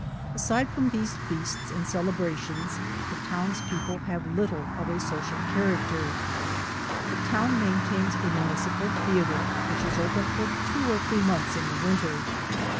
Aside from these feasts and celebrations, the townspeople have little of a social character. The town maintains a municipal theater which is open for two or three months in the winter.